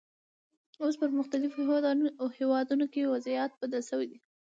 اوس په پرمختللو هېوادونو کې وضعیت بدل شوی دی.